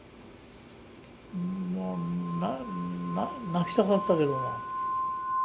もう泣きたかったけども。